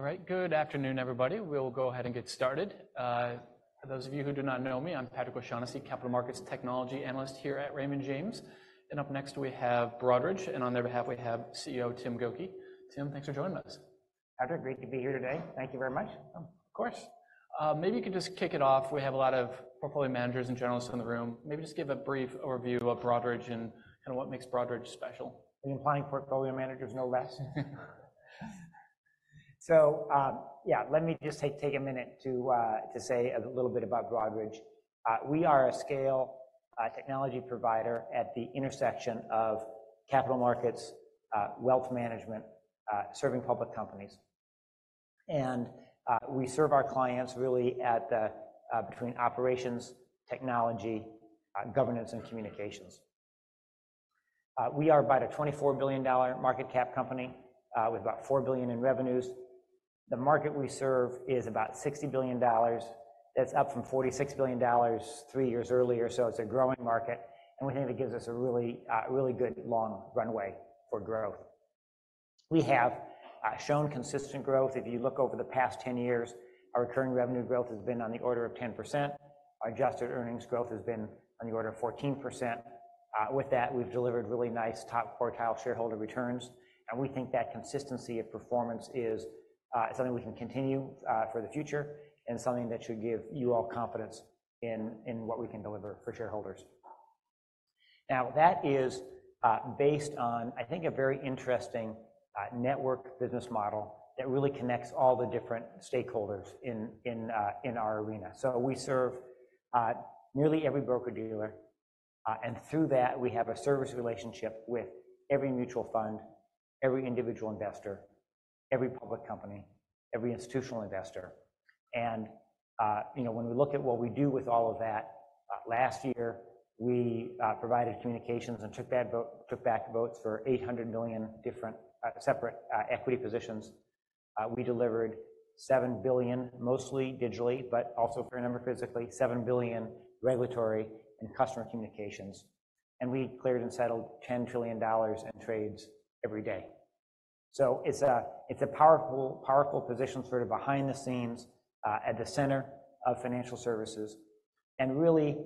All right. Good afternoon, everybody. We'll go ahead and get started. For those of you who do not know me, I'm Patrick O'Shaughnessy, Capital Markets Technology Analyst here at Raymond James. Up next, we have Broadridge, and on their behalf, we have CEO Tim Gokey. Tim, thanks for joining us. Patrick, great to be here today. Thank you very much. Of course. Maybe you can just kick it off. We have a lot of portfolio managers and journalists in the room. Maybe just give a brief overview of Broadridge and, kind of, what makes Broadridge special. You're implying portfolio managers no less? So, yeah, let me just take a minute to say a little bit about Broadridge. We are a scale technology provider at the intersection of capital markets, wealth management, serving public companies. And we serve our clients really at the between operations, technology, governance, and communications. We are about a $24 billion market cap company with about $4 billion in revenues. The market we serve is about $60 billion. That's up from $46 billion three years earlier, so it's a growing market, and we think it gives us a really, really good long runway for growth. We have shown consistent growth. If you look over the past 10 years, our recurring revenue growth has been on the order of 10%. Our adjusted earnings growth has been on the order of 14%. With that, we've delivered really nice top quartile shareholder returns, and we think that consistency of performance is, something we can continue, for the future, and something that should give you all confidence in, in what we can deliver for shareholders. Now, that is, based on, I think, a very interesting, network business model that really connects all the different stakeholders in, in, in our arena. So we serve, nearly every broker-dealer, and through that, we have a service relationship with every mutual fund, every individual investor, every public company, every institutional investor. You know, when we look at what we do with all of that, last year, we provided communications and took back votes for 800 million different separate equity positions. We delivered 7 billion, mostly digitally, but also for a number, physically, 7 billion regulatory and customer communications, and we cleared and settled $10 trillion in trades every day. So it's a powerful position, sort of behind the scenes at the center of financial services, and really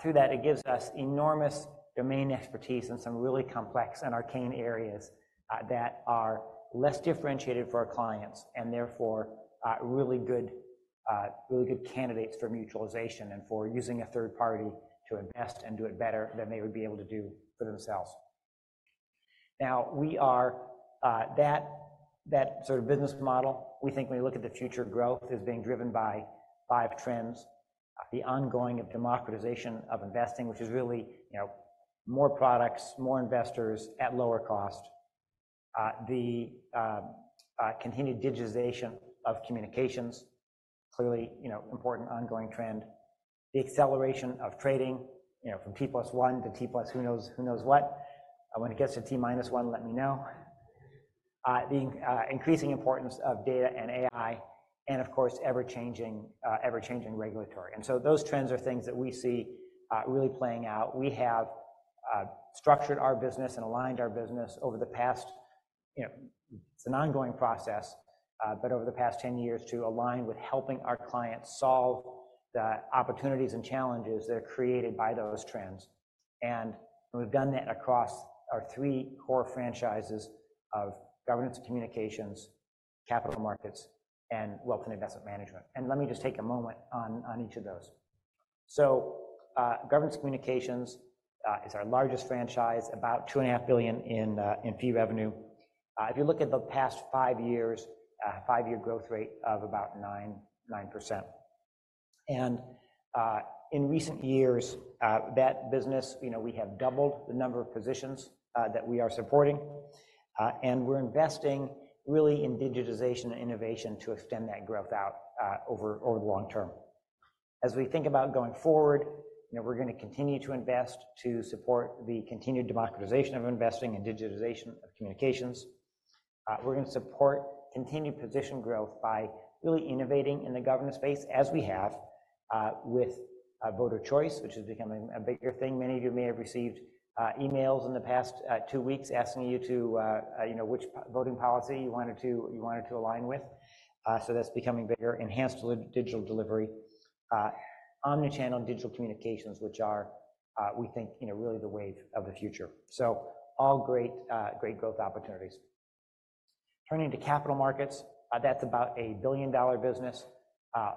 through that, it gives us enormous domain expertise in some really complex and arcane areas that are less differentiated for our clients, and therefore really good candidates for mutualization and for using a third party to invest and do it better than they would be able to do for themselves. Now, that sort of business model, we think when we look at the future growth, is being driven by five trends: the ongoing democratization of investing, which is really, you know, more products, more investors at lower cost. The continued digitization of communications, clearly, you know, important ongoing trend. The acceleration of trading, you know, from T+1 to T+ who knows, who knows what? When it gets to T-1, let me know. The increasing importance of data and AI, and of course, ever-changing regulatory. And so those trends are things that we see really playing out. We have structured our business and aligned our business over the past... You know, it's an ongoing process, but over the past 10 years, to align with helping our clients solve the opportunities and challenges that are created by those trends. And we've done that across our three core franchises of governance and communications, capital markets, and wealth and investment management. And let me just take a moment on each of those. So, governance communications is our largest franchise, about $2.5 billion in fee revenue. If you look at the past 5 years, a 5-year growth rate of about 9.9%. And in recent years, that business, you know, we have doubled the number of positions that we are supporting, and we're investing really in digitization and innovation to extend that growth out over the long term. As we think about going forward, you know, we're gonna continue to invest to support the continued democratization of investing and digitization of communications. We're gonna support continued position growth by really innovating in the governance space, as we have, with voter choice, which is becoming a bigger thing. Many of you may have received emails in the past two weeks asking you to, you know, which voting policy you wanted to, you wanted to align with. So that's becoming bigger. Enhanced digital delivery, omni-channel digital communications, which are, we think, you know, really the wave of the future. So all great, great growth opportunities. Turning to capital markets, that's about a billion-dollar business.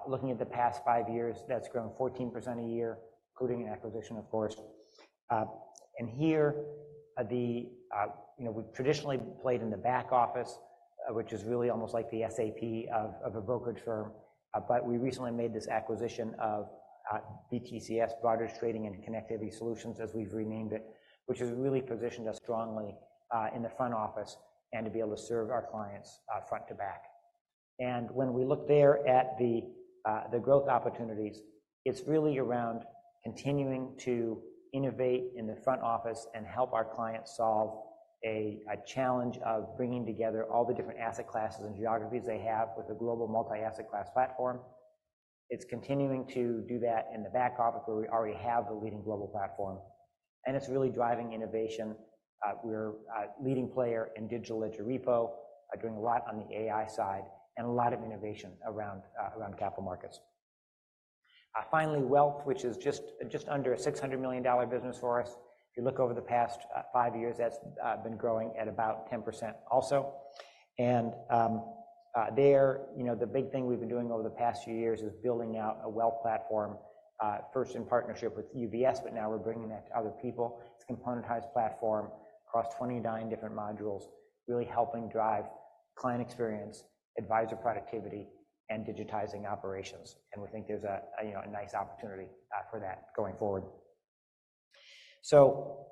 Looking at the past five years, that's grown 14% a year, including an acquisition, of course. You know, we've traditionally played in the back office, which is really almost like the SAP of a brokerage firm, but we recently made this acquisition of BTCS, Broadridge Trading and Connectivity Solutions, as we've renamed it, which has really positioned us strongly in the front office and to be able to serve our clients front to back. And when we look there at the growth opportunities, it's really around continuing to innovate in the front office and help our clients solve a challenge of bringing together all the different asset classes and geographies they have with a global multi-asset class platform.... It's continuing to do that in the back office, where we already have a leading global platform, and it's really driving innovation. We're a leading player in Digital Ledger Repo, doing a lot on the AI side and a lot of innovation around capital markets. Finally, wealth, which is just under a $600 million business for us. If you look over the past 5 years, that's been growing at about 10% also. And, there, you know, the big thing we've been doing over the past few years is building out a wealth platform, first in partnership with UBS, but now we're bringing that to other people. It's a componentized platform across 29 different modules, really helping drive client experience, advisor productivity, and digitizing operations, and we think there's a nice opportunity for that going forward. So,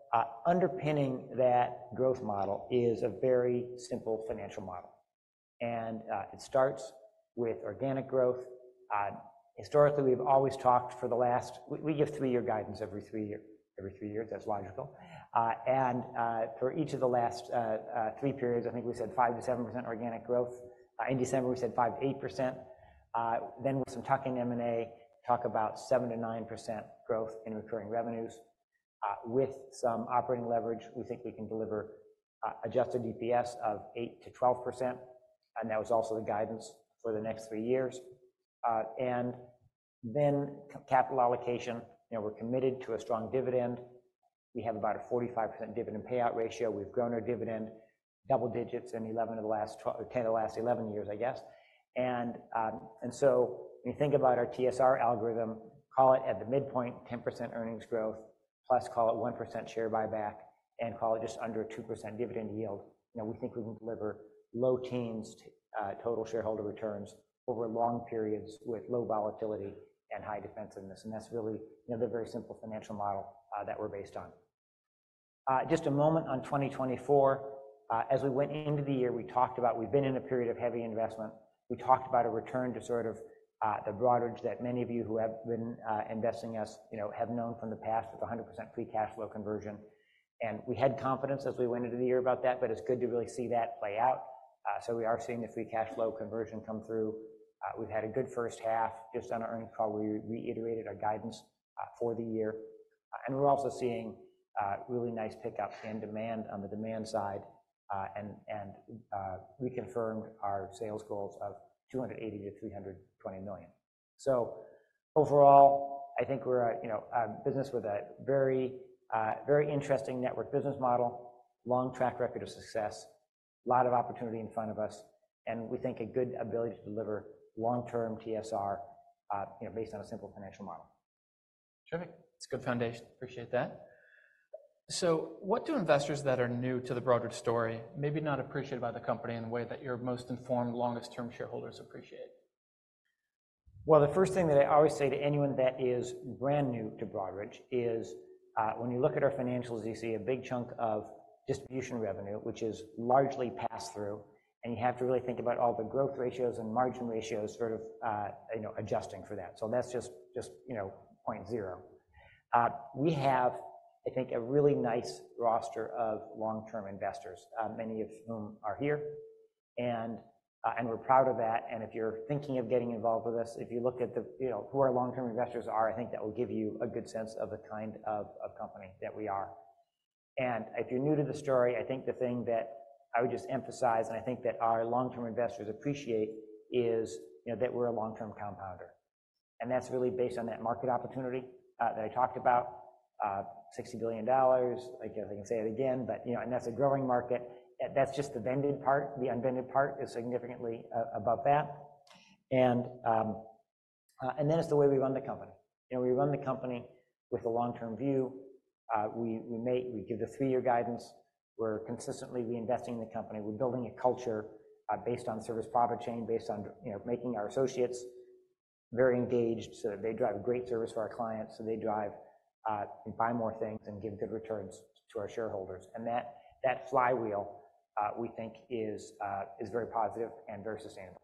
underpinning that growth model is a very simple financial model, and it starts with organic growth. Historically, we've always talked—we give three-year guidance every three years, that's logical. And for each of the last three periods, I think we said 5%-7% organic growth. In December, we said 5%-8%. Then with some tuck-in M&A, talk about 7%-9% growth in recurring revenues. With some operating leverage, we think we can deliver adjusted EPS of 8%-12%, and that was also the guidance for the next three years. And then capital allocation, you know, we're committed to a strong dividend. We have about a 45% dividend payout ratio. We've grown our dividend double digits in eleven of the last ten of the last eleven years, I guess. So when you think about our TSR algorithm, call it at the midpoint, 10% earnings growth, plus call it 1% share buyback, and call it just under a 2% dividend yield. You know, we think we can deliver low teens total shareholder returns over long periods with low volatility and high defensiveness, and that's really, you know, the very simple financial model that we're based on. Just a moment on 2024. As we went into the year, we talked about we've been in a period of heavy investment. We talked about a return to sort of, the Broadridge that many of you who have been, investing us, you know, have known from the past, with 100% free cash flow conversion. And we had confidence as we went into the year about that, but it's good to really see that play out. So we are seeing the free cash flow conversion come through. We've had a good first half. Just on our earnings call, we reiterated our guidance, for the year, and we're also seeing, really nice pick-up in demand on the demand side. And we confirmed our sales goals of $280 million-$320 million. Overall, I think we're a, you know, a business with a very, very interesting network business model, long track record of success, a lot of opportunity in front of us, and we think a good ability to deliver long-term TSR, you know, based on a simple financial model. Terrific. It's a good foundation. Appreciate that. So what do investors that are new to the Broadridge story maybe not appreciate about the company in the way that your most informed, longest-term shareholders appreciate? Well, the first thing that I always say to anyone that is brand new to Broadridge is, when you look at our financials, you see a big chunk of distribution revenue, which is largely passed through, and you have to really think about all the growth ratios and margin ratios, sort of, you know, adjusting for that. So that's just, you know, point zero. We have, I think, a really nice roster of long-term investors, many of whom are here, and we're proud of that, and if you're thinking of getting involved with us, if you look at the, you know, who our long-term investors are, I think that will give you a good sense of the kind of company that we are. And if you're new to the story, I think the thing that I would just emphasize, and I think that our long-term investors appreciate, is, you know, that we're a long-term compounder, and that's really based on that market opportunity that I talked about, $60 billion. I can say it again, but, you know, and that's a growing market. That's just the vended part. The unvended part is significantly above that. And then it's the way we run the company. You know, we run the company with a long-term view. We give the three-year guidance. We're consistently reinvesting in the company. We're building a culture based on Service-Profit Chain, based on, you know, making our associates very engaged, so that they drive great service to our clients, so they drive and buy more things and give good returns to our shareholders. And that flywheel we think is very positive and very sustainable.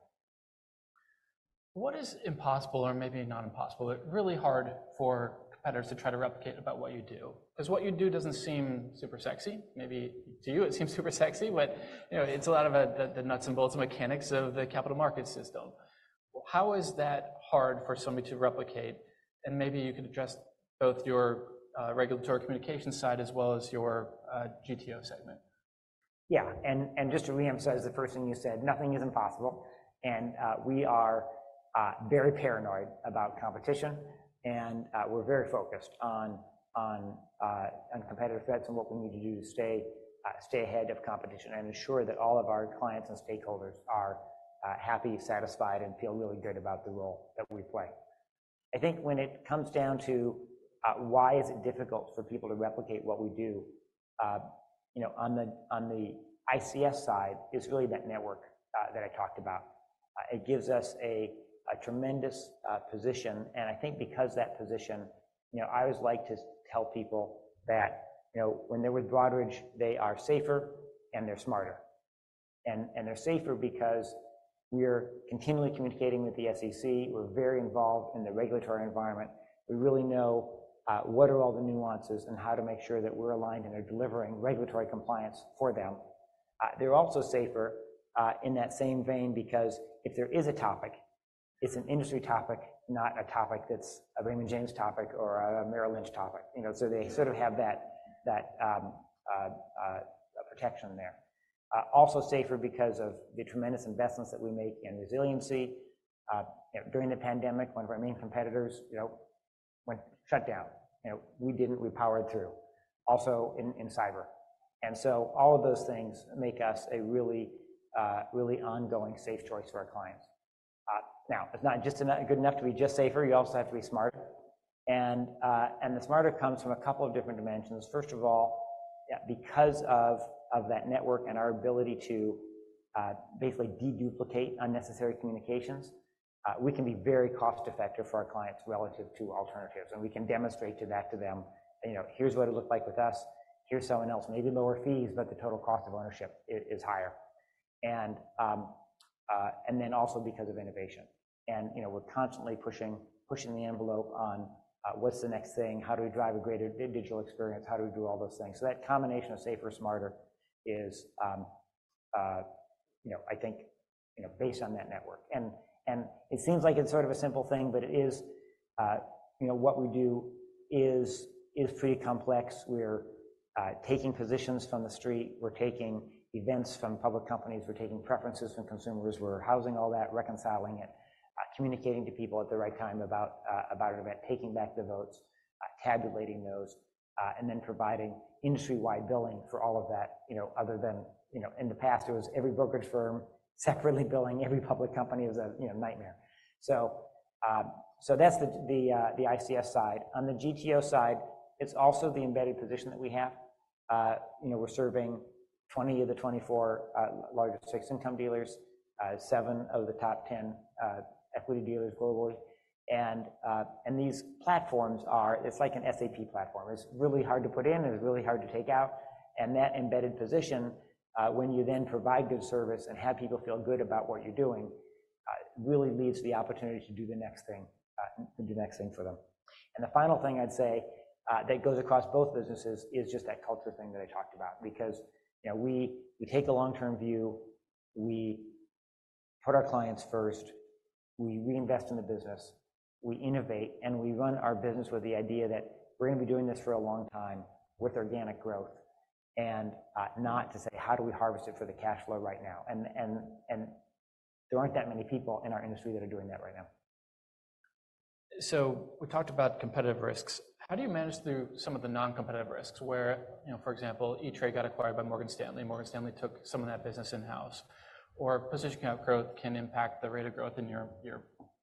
What is impossible, or maybe not impossible, but really hard for competitors to try to replicate about what you do? 'Cause what you do doesn't seem super sexy. Maybe to you, it seems super sexy, but, you know, it's a lot of the nuts and bolts and mechanics of the capital market system. How is that hard for somebody to replicate? And maybe you could address both your regulatory communications side as well as your GTO segment. Yeah, and just to reemphasize the first thing you said, nothing is impossible, and we are very paranoid about competition, and we're very focused on competitive threats and what we need to do to stay ahead of competition and ensure that all of our clients and stakeholders are happy, satisfied, and feel really good about the role that we play. I think when it comes down to why it is difficult for people to replicate what we do, you know, on the ICS side, is really that network that I talked about. It gives us a tremendous position, and I think because of that position, you know, I always like to tell people that, you know, when they're with Broadridge, they are safer and they're smarter. They're safer because we're continually communicating with the SEC. We're very involved in the regulatory environment. We really know what are all the nuances and how to make sure that we're aligned and are delivering regulatory compliance for them. They're also safer in that same vein, because if there is a topic, it's an industry topic, not a topic that's a Raymond James topic or a Merrill Lynch topic. You know, so they sort of have that protection there. Also safer because of the tremendous investments that we make in resiliency. During the pandemic, one of our main competitors, you know, went shut down. You know, we didn't, we powered through. Also, in cyber. And so all of those things make us a really really ongoing safe choice for our clients. Now, it's not just good enough to be just safer. You also have to be smarter. And the smarter comes from a couple of different dimensions. First of all, yeah, because of that network and our ability to basically deduplicate unnecessary communications, we can be very cost-effective for our clients relative to alternatives, and we can demonstrate that to them. You know, here's what it looked like with us, here's someone else. Maybe lower fees, but the total cost of ownership is higher. And then also because of innovation. And, you know, we're constantly pushing the envelope on what's the next thing? How do we drive a greater digital experience? How do we do all those things? So that combination of safer, smarter is, you know, I think, you know, based on that network. It seems like it's sort of a simple thing, but it is, you know, what we do is pretty complex. We're taking positions from the street, we're taking events from public companies, we're taking preferences from consumers, we're housing all that, reconciling it, communicating to people at the right time about an event, taking back the votes, tabulating those, and then providing industry-wide billing for all of that. You know, other than, you know, in the past, it was every brokerage firm separately billing every public company. It was a, you know, nightmare. That's the ICS side. On the GTO side, it's also the embedded position that we have. You know, we're serving 20 of the 24 largest fixed income dealers, 7 of the top 10 equity dealers globally. And these platforms are. It's like an SAP platform. It's really hard to put in, and it's really hard to take out. And that embedded position, when you then provide good service and have people feel good about what you're doing, really leaves the opportunity to do the next thing, do the next thing for them. And the final thing I'd say, that goes across both businesses is just that culture thing that I talked about. Because, you know, we, we take a long-term view, we put our clients first, we reinvest in the business, we innovate, and we run our business with the idea that we're gonna be doing this for a long time with organic growth, and not to say: How do we harvest it for the cash flow right now? And there aren't that many people in our industry that are doing that right now. So we talked about competitive risks. How do you manage through some of the non-competitive risks where, you know, for example, E-Trade got acquired by Morgan Stanley, and Morgan Stanley took some of that business in-house, or position count growth can impact the rate of growth in your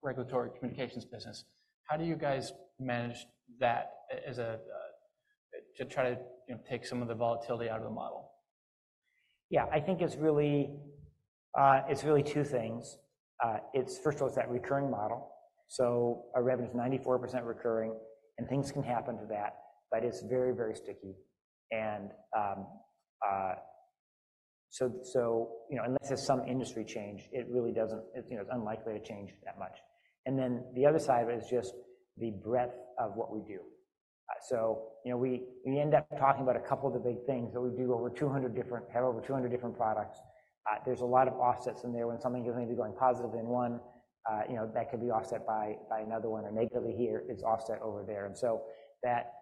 regulatory communications business. How do you guys manage that as a... to try to, you know, take some of the volatility out of the model? Yeah, I think it's really, it's really two things. It's first of all, it's that recurring model. So our revenue is 94% recurring, and things can happen to that, but it's very, very sticky. And, so, so, you know, unless there's some industry change, it really doesn't... You know, it's unlikely to change that much. And then the other side of it is just the breadth of what we do. So, you know, we, we end up talking about a couple of the big things, that we have over 200 different products. There's a lot of offsets in there. When something is going to be going positive in one, you know, that could be offset by, by another one, or negatively here is offset over there. And so that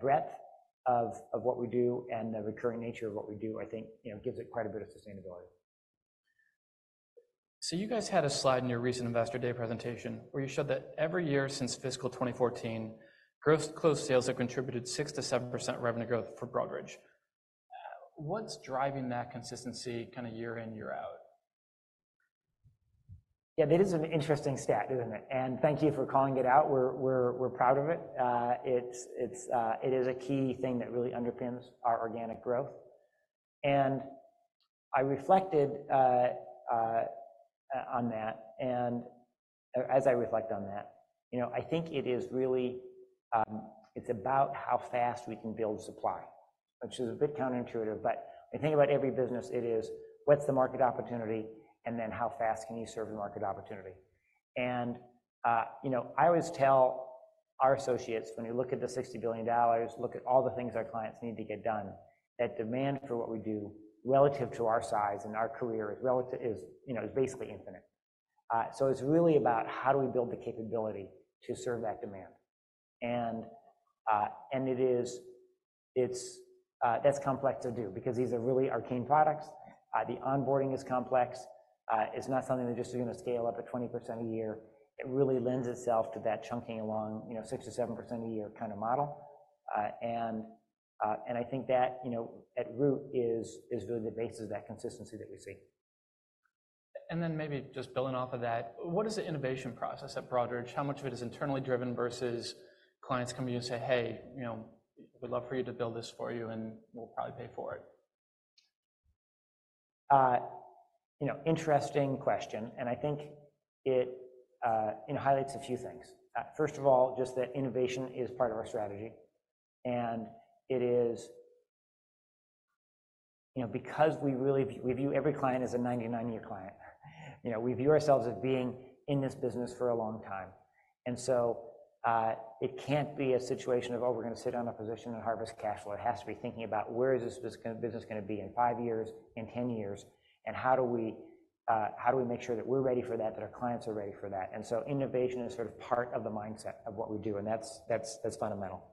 breadth of what we do and the recurring nature of what we do, I think, you know, gives it quite a bit of sustainability. So you guys had a slide in your recent Investor Day presentation, where you showed that every year since fiscal 2014, growth-closed sales have contributed 6%-7% revenue growth for Broadridge. What's driving that consistency kind of year in, year out? Yeah, that is an interesting stat, isn't it? And thank you for calling it out. We're proud of it. It is a key thing that really underpins our organic growth. And I reflected on that, and as I reflect on that, you know, I think it is really, it's about how fast we can build supply, which is a bit counterintuitive, but when you think about every business, it is: What's the market opportunity, and then how fast can you serve the market opportunity? And, you know, I always tell our associates, when you look at the $60 billion, look at all the things our clients need to get done, that demand for what we do relative to our size and our capacity is relative, is, you know, is basically infinite. So it's really about how do we build the capability to serve that demand? And it is, it's, that's complex to do because these are really arcane products. The onboarding is complex. It's not something that just you're gonna scale up at 20% a year. It really lends itself to that chunking along, you know, 6%-7% a year kind of model. And I think that, you know, at root, is really the basis of that consistency that we see. And then maybe just building off of that, what is the innovation process at Broadridge? How much of it is internally driven versus clients coming to you and say, "Hey, you know, we'd love for you to build this for you, and we'll probably pay for it"? You know, interesting question, and I think it, you know, highlights a few things. First of all, just that innovation is part of our strategy, and it is... You know, because we really, we view every client as a 99-year client.... You know, we view ourselves as being in this business for a long time. And so, it can't be a situation of, oh, we're gonna sit on a position and harvest cash flow. It has to be thinking about where is this business gonna be in 5 years, in 10 years, and how do we, how do we make sure that we're ready for that, that our clients are ready for that? And so innovation is sort of part of the mindset of what we do, and that's, that's, that's fundamental.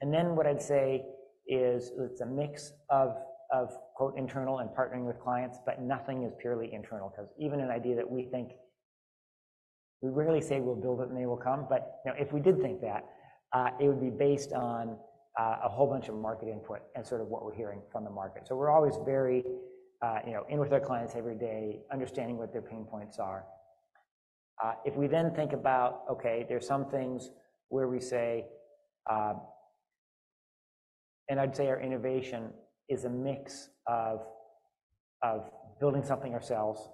And then what I'd say is it's a mix of, of quote, "internal and partnering with clients," but nothing is purely internal, 'cause even an idea that we think we rarely say we'll build it and they will come, but, you know, if we did think that, it would be based on a whole bunch of market input and sort of what we're hearing from the market. So we're always very, you know, in with our clients every day, understanding what their pain points are. If we then think about, okay, there are some things where we say... And I'd say our innovation is a mix of, of building something ourselves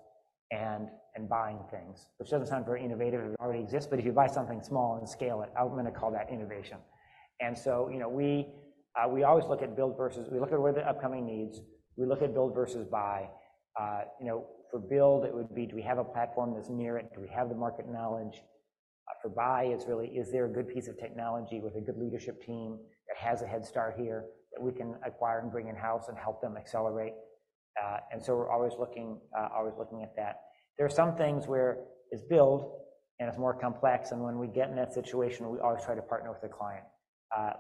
and, and buying things, which doesn't sound very innovative if it already exists, but if you buy something small and scale it, I'm gonna call that innovation. And so, you know, we always look at build versus buy. We look at where the upcoming needs, we look at build versus buy. You know, for build, it would be: Do we have a platform that's near it? Do we have the market knowledge? For buy, it's really: Is there a good piece of technology with a good leadership team that has a head start here, that we can acquire and bring in-house and help them accelerate? And so we're always looking at that. There are some things where it's build and it's more complex, and when we get in that situation, we always try to partner with the client,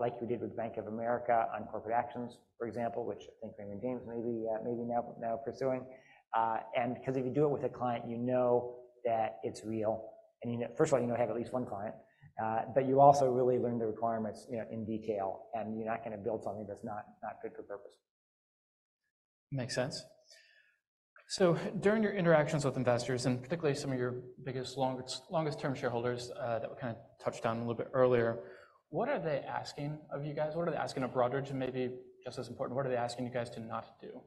like we did with Bank of America on corporate actions, for example, which I think Raymond James may be now pursuing. And because if you do it with a client, you know that it's real, and you know—First of all, you know, you have at least one client, but you also really learn the requirements, you know, in detail, and you're not gonna build something that's not good for purpose. Makes sense. So during your interactions with investors, and particularly some of your biggest, longest, longest-term shareholders, that we kinda touched on a little bit earlier, what are they asking of you guys? What are they asking of Broadridge, and maybe just as important, what are they asking you guys to not do?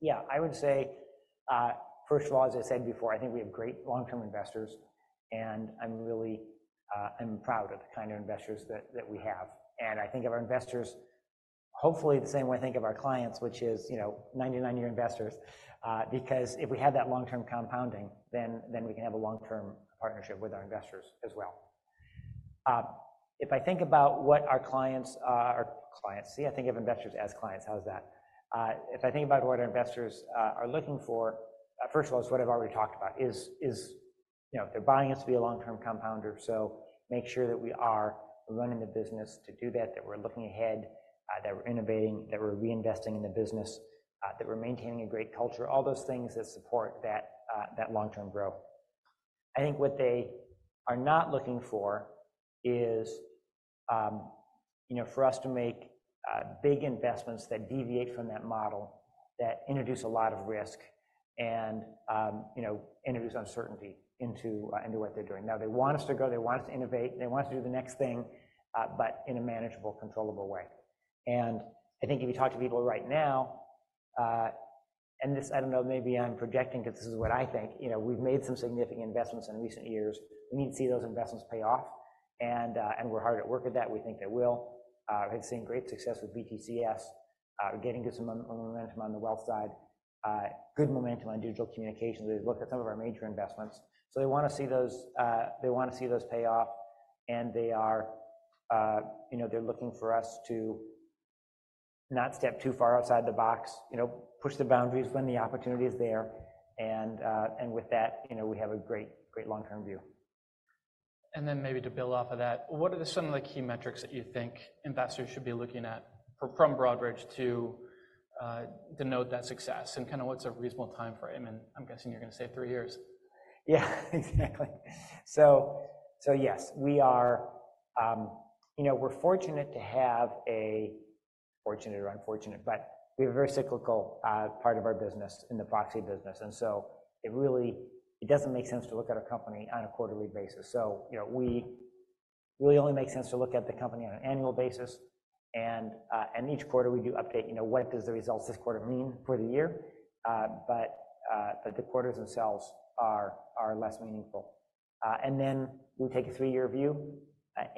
Yeah, I would say, first of all, as I said before, I think we have great long-term investors, and I'm really, I'm proud of the kind of investors that, that we have. And I think of our investors, hopefully the same way I think of our clients, which is, you know, 99-year investors, because if we have that long-term compounding, then, then we can have a long-term partnership with our investors as well. If I think about what our clients, our clients... See, I think of investors as clients, how's that? If I think about what our investors are looking for, first of all, it's what I've already talked about, you know, they're buying us to be a long-term compounder, so make sure that we are running the business to do that, that we're looking ahead, that we're innovating, that we're reinvesting in the business, that we're maintaining a great culture, all those things that support that, that long-term growth. I think what they are not looking for is, you know, for us to make big investments that deviate from that model, that introduce a lot of risk, and, you know, introduce uncertainty into into what they're doing. Now, they want us to grow, they want us to innovate, they want us to do the next thing, but in a manageable, controllable way. And I think if you talk to people right now, and this, I don't know, maybe I'm projecting because this is what I think, you know, we've made some significant investments in recent years. We need to see those investments pay off, and, and we're hard at work at that. We think they will. We've seen great success with BTCS, getting to some momentum on the wealth side, good momentum on digital communications. We've looked at some of our major investments. So they wanna see those, they wanna see those pay off, and they are, you know, they're looking for us to not step too far outside the box. You know, push the boundaries when the opportunity is there, and, and with that, you know, we have a great, great long-term view. And then maybe to build off of that, what are some of the key metrics that you think investors should be looking at for, from Broadridge to, denote that success? And kinda what's a reasonable timeframe, and I'm guessing you're gonna say three years. Yeah, exactly. So yes, we are, you know, we're fortunate to have a fortunate or unfortunate, but we have a very cyclical part of our business in the proxy business, and so it really, it doesn't make sense to look at our company on a quarterly basis. So, you know, really only makes sense to look at the company on an annual basis, and each quarter we do update, you know, what does the results this quarter mean for the year? But the quarters themselves are less meaningful. And then we take a three-year view,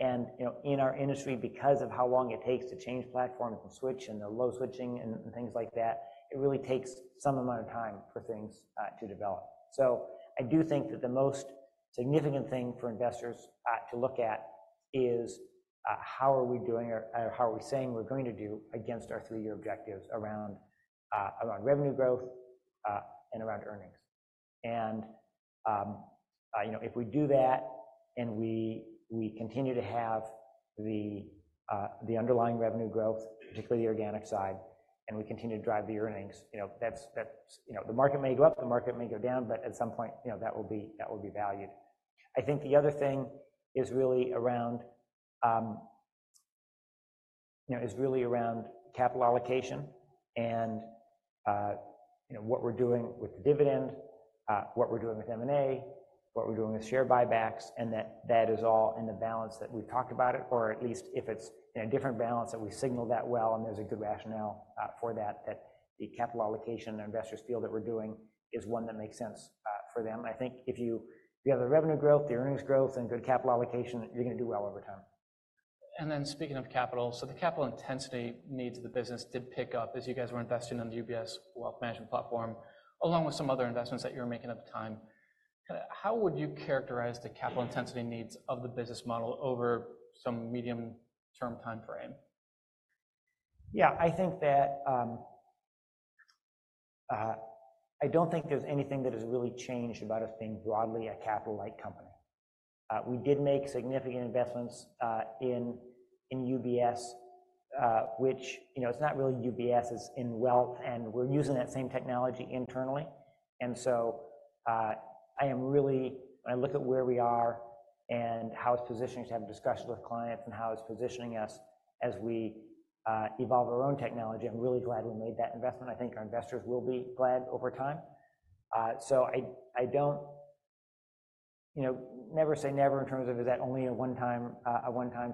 and, you know, in our industry, because of how long it takes to change platforms and switch and the low switching and things like that, it really takes some amount of time for things to develop. So I do think that the most significant thing for investors to look at is how are we doing or how are we saying we're going to do against our three-year objectives around revenue growth and around earnings. And you know, if we do that and we continue to have the underlying revenue growth, particularly the organic side, and we continue to drive the earnings, you know, that's that's you know the market may go up, the market may go down, but at some point, you know, that will be that will be valued. I think the other thing is really around capital allocation and, you know, what we're doing with the dividend, what we're doing with M&A, what we're doing with share buybacks, and that is all in the balance that we've talked about it, or at least if it's in a different balance, that we signal that well and there's a good rationale for that, that the capital allocation that investors feel that we're doing is one that makes sense for them. I think if you have the revenue growth, the earnings growth, and good capital allocation, you're gonna do well over time.... And then speaking of capital, so the capital intensity needs of the business did pick up as you guys were investing in the UBS Wealth Management platform, along with some other investments that you were making at the time. How would you characterize the capital intensity needs of the business model over some medium-term time frame? Yeah, I think that, I don't think there's anything that has really changed about us being broadly a capital-light company. We did make significant investments in UBS, which, you know, it's not really UBS, it's in wealth, and we're using that same technology internally. And so, I am really, when I look at where we are and how it's positioning to have discussions with clients and how it's positioning us as we evolve our own technology, I'm really glad we made that investment. I think our investors will be glad over time. So, I don't, you know, never say never in terms of is that only a one-time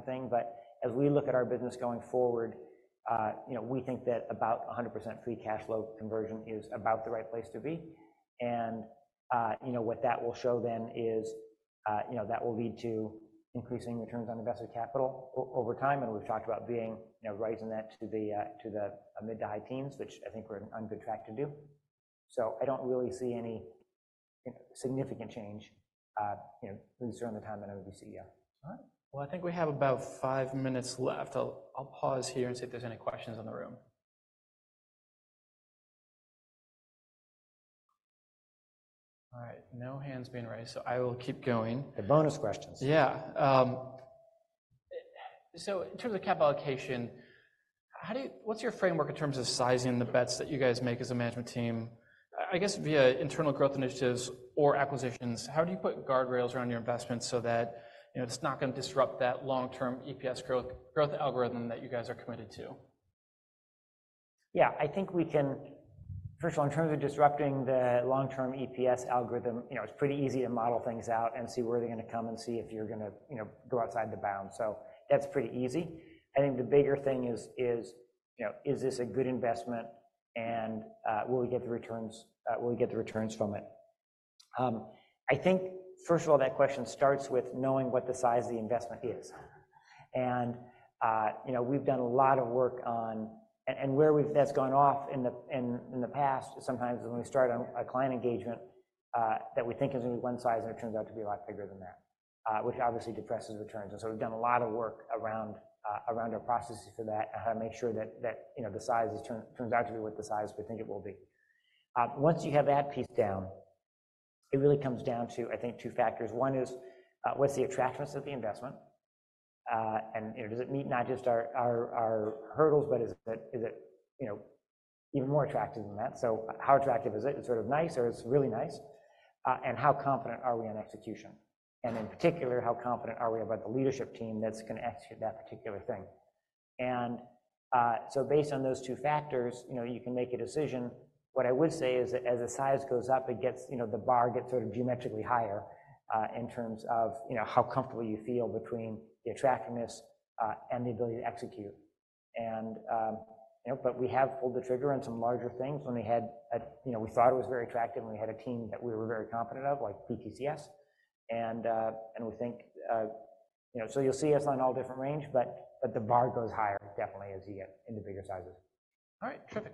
thing, but as we look at our business going forward, you know, we think that about 100% free cash flow conversion is about the right place to be. And, you know, what that will show then is, you know, that will lead to increasing returns on invested capital over time, and we've talked about being, you know, raising that to the mid to high teens, which I think we're on good track to do. So I don't really see any significant change, you know, at least during the time that I would be CEO. All right. Well, I think we have about five minutes left. I'll, I'll pause here and see if there's any questions in the room. All right, no hands being raised, so I will keep going. The bonus questions. Yeah, so in terms of capital allocation, how do you-- what's your framework in terms of sizing the bets that you guys make as a management team? I guess via internal growth initiatives or acquisitions, how do you put guardrails around your investments so that, you know, it's not going to disrupt that long-term EPS growth, growth algorithm that you guys are committed to? Yeah, I think we can... First of all, in terms of disrupting the long-term EPS algorithm, you know, it's pretty easy to model things out and see where they're going to come and see if you're going to, you know, go outside the bounds. So that's pretty easy. I think the bigger thing is, you know, is this a good investment, and will we get the returns, will we get the returns from it? I think, first of all, that question starts with knowing what the size of the investment is. And, you know, we've done a lot of work, and where that's gone off in the past, sometimes when we start a client engagement that we think is only one size, and it turns out to be a lot bigger than that, which obviously depresses returns. So we've done a lot of work around our processes for that, to make sure that, you know, the size turns out to be what the size we think it will be. Once you have that piece down, it really comes down to, I think, two factors. One is, what's the attractiveness of the investment? And, you know, does it meet not just our hurdles, but is it, you know, even more attractive than that? So how attractive is it? It's sort of nice, or it's really nice. And how confident are we in execution? And in particular, how confident are we about the leadership team that's going to execute that particular thing? And, so based on those two factors, you know, you can make a decision. What I would say is that as the size goes up, it gets, you know, the bar gets sort of geometrically higher, in terms of, you know, how comfortable you feel between the attractiveness, and the ability to execute. And, you know, but we have pulled the trigger on some larger things when we had, you know, we thought it was very attractive, and we had a team that we were very confident of, like BTCS. And we think, you know, so you'll see us on all different range, but the bar goes higher, definitely as you get into bigger sizes. All right, sure.